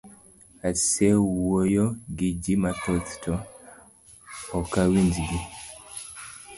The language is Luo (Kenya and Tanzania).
Asewuoyo giji mathoth to okawinj gi.